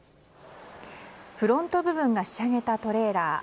フロント部分がひしゃげたトレーラー。